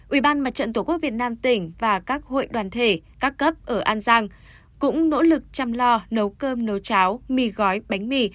ubnd và các hội đoàn thể các cấp ở an giang cũng nỗ lực chăm lo nấu cơm nấu cháo mì gói bánh mì